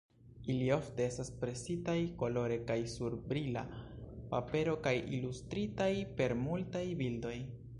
Ili ofte estas presitaj kolore kaj sur brila papero kaj ilustritaj per multaj bildoj.